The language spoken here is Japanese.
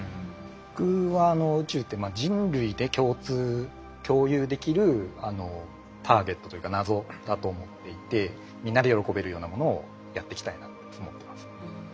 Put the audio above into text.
僕は宇宙って人類で共有できるターゲットというか謎だと思っていてみんなで喜べるようなものをやっていきたいなと思ってます。